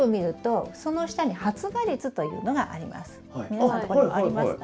皆さんのとこにもありますか？